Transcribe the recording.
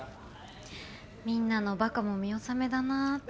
みんなのバカも見納めだなって。